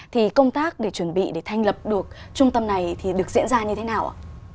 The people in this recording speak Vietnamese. thì công tác để chuẩn bị để thành lập được trung tâm này thì được diễn ra như thế nào ạ